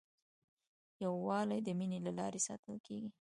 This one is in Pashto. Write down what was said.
یووالی د مینې له لارې ساتل کېږي.